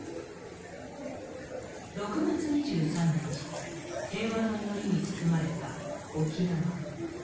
６月２３日、平和の祈りに包まれた沖縄。